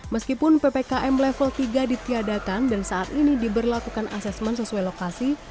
meskipun ppkm level tiga ditiadakan dan saat ini diberlakukan asesmen sesuai lokasi